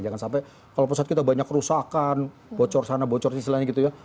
jangan sampai kalau pesawat kita banyak kerusakan bocor sana bocor di sisi lainnya gitu ya